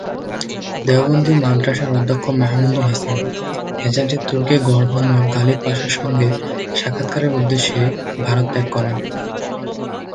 দেওবন্দী মাদ্রাসার অধ্যক্ষ মাহমুদুল হাসান, হেজাজের তুর্কী গভর্নর গালিব পাশার সঙ্গে সাক্ষাতের উদ্দেশ্যে ভারত ত্যাগ করেন।